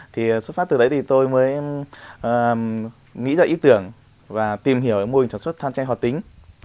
thì xuất phát từ đấy thì tôi mới nghĩ ra ý tưởng và tìm hiểu mô hình sản xuất than tre hoạt tính